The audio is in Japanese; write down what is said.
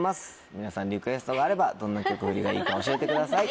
皆さんリクエストがあればどんな曲フリがいいか教えてください。